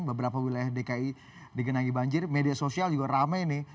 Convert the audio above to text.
beberapa wilayah dki digenangi banjir media sosial juga rame nih